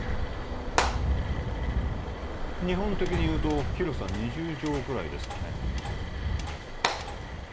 日本的にいうと広さ２０畳ぐらいですかね？